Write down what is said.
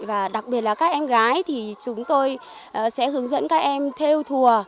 và đặc biệt là các em gái thì chúng tôi sẽ hướng dẫn các em theo thùa